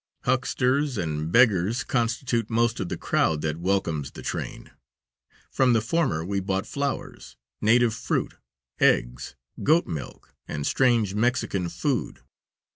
Hucksters and beggars constitute most of the crowd that welcomes the train. From the former we bought flowers, native fruit, eggs, goat milk, and strange Mexican food.